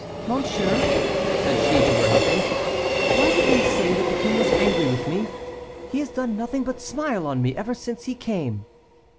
"Monsieur," said she to her husband, "why did they say that the king was angry with me; he has done nothing but smile on me ever since he came?"